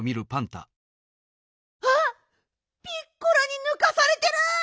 あっピッコラにぬかされてる！